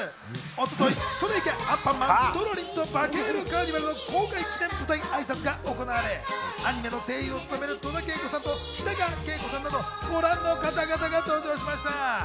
一昨日、映画『それいけ！アンパンマンドロリンとバケるカーニバル』の公開記念舞台挨拶が行われ、アニメの声優を務める戸田恵子さんと北川景子さんなど、ご覧の方々が登場しました。